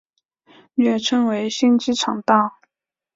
略称为新机场道。